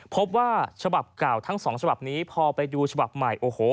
พบว่าฉบับเก่าทั้งสองฉบับนี้พอไปดูฉบับใหม่โอ้โห